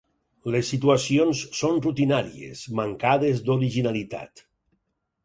Les situacions són rutinàries, mancades d'originalitat.